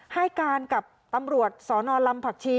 ให้การกับตำรวจสนลำผักชี